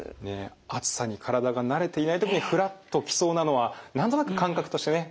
暑さに体が慣れていない時にフラッときそうなのは何となく感覚としてね分かりますよね。